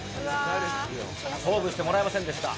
勝負してもらえませんでした。